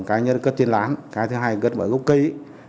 cái nhất cất trên lán cái thứ hai cất bởi gốc cây